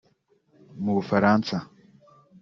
Mu Bufaransa